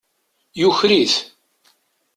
Yuker-it.